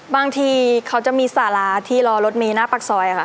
บางทีเขาจะมีสาราที่รอรถเมย์หน้าปากซอยค่ะ